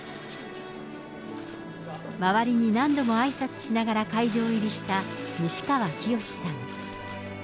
周りに何度もあいさつしながら会場入りした西川きよしさん。